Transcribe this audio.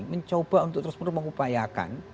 mencoba untuk terus menerus mengupayakan